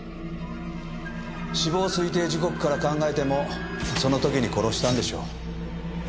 死亡推定時刻から考えてもその時に殺したんでしょう。